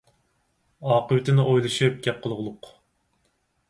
ئاقىۋىتىنى ئويلىشىپ گەپ قىلغۇلۇق!